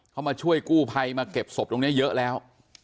เขามาช่วยกู้ภัยมาเก็บศพตรงนี้เยอะแล้ว